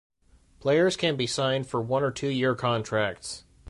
Players can be signed for one or two year contracts.